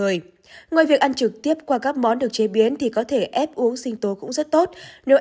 ngoài việc ăn trực tiếp qua các món được chế biến thì có thể ép uống sinh tố cũng rất tốt nếu